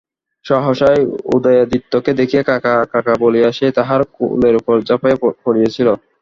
সহসা উদয়াদিত্যকে দেখিয়া কাকা কাকা বলিয়া সে তাঁহার কোলের উপর ঝাঁপাইয়া পড়িয়াছিল।